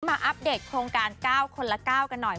มาอัพเดตโครงการเก้าคนละเก้ากันหน่อย